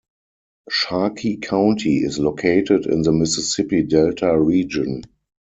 Sharkey County is located in the Mississippi Delta region.